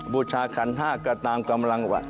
บูชาขันห้าก็ตามกำลัง